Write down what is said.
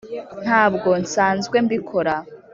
ntabwo nsanzwe mbikora